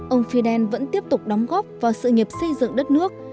ông fidel vẫn tiếp tục đóng góp vào sự nghiệp xây dựng đất nước